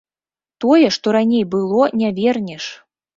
Тое, што раней было, не вернеш.